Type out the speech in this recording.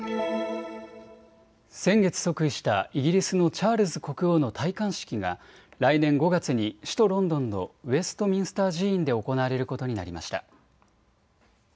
先月即位したイギリスのチャールズ国王の戴冠式が来年５月に首都ロンドンのウェストミンスター寺院で行われることになりました。